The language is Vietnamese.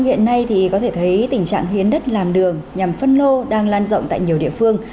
hiện nay thì có thể thấy tình trạng hiến đất làm đường nhằm phân lô đang lan rộng tại nhiều địa phương